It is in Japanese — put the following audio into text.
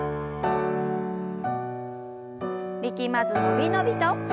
力まず伸び伸びと。